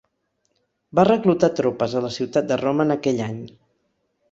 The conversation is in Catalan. Va reclutar tropes a la ciutat de Roma en aquell any.